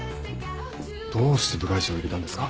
どうして部外者を入れたんですか？